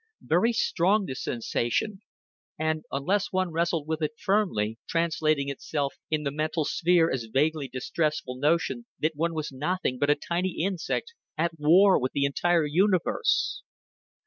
Very strong this sensation, and, unless one wrestled with it firmly, translating itself in the mental sphere as a vaguely distressful notion that one was nothing but a tiny insect at war with the entire universe.